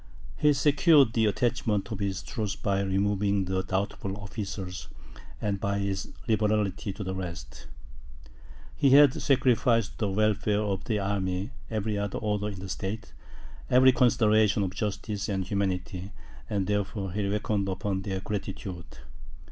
He secured the attachment of his troops by removing the doubtful officers, and by his liberality to the rest. He had sacrificed to the welfare of the army every other order in the state, every consideration of justice and humanity, and therefore he reckoned upon their gratitude.